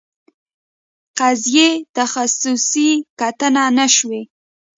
قضیې تخصصي کتنه نه شوې.